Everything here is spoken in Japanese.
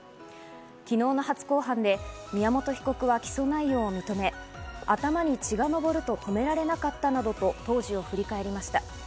昨日の初公判で宮本被告は起訴内容を認め、頭に血が上ると止められなかったなどと、当時を振り返りました。